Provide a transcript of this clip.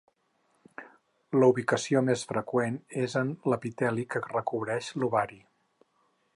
La ubicació més freqüent és en l'epiteli que recobreix l'ovari.